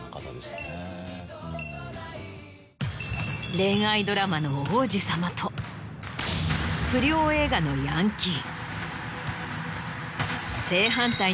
恋愛ドラマの王子様と不良映画のヤンキー。